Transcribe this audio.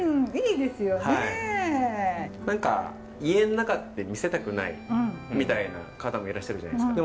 何か家の中って見せたくないみたいな方もいらっしゃるじゃないですか。